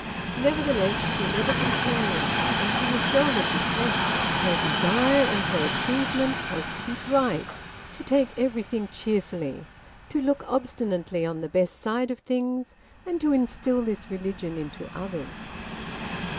Nevertheless she never complained, and she was seldom depressed. Her desire, and her achievement, was to be bright, to take everything cheerfully, to look obstinately on the best side of things, and to instil this religion into others.